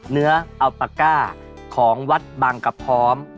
เนื้ออัลปาก้าของวัดบางกระพร้อม